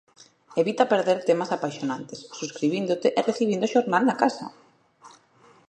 Evita perder temas apaixonantes subscribíndote e recibindo o xornal na casa!